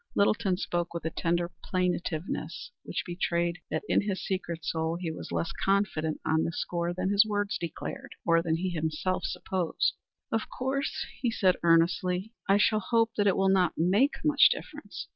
Littleton spoke with a tender plaintiveness which betrayed that in his secret soul he was less confident on this score than his words declared, or than he himself supposed. "Of course," he added, earnestly, "I shall hope that it will not make much difference.